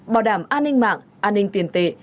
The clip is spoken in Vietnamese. bảo đảm an ninh mạng an ninh tiền tệ